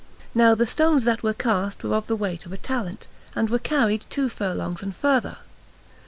Now the stones that were cast were of the weight of a talent, and were carried two furlongs and further.